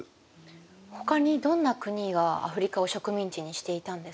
ほかにどんな国がアフリカを植民地にしていたんですか？